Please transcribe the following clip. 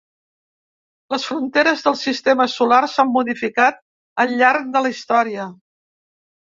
Les fronteres del sistema solar s’han modificat al llarg de la història.